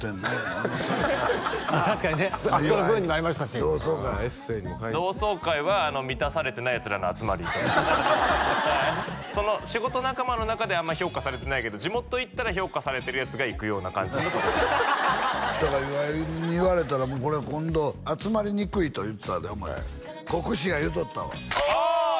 あの確かにねあそこの部分にもありましたしエッセイにも書いて同窓会は満たされてないヤツらの集まり仕事仲間の中であんま評価されてないけど地元行ったら評価されてるヤツが行くような感じのところだから岩井に言われたらこれ今度集まりにくいと言ってたでお前國司が言うとったわああ！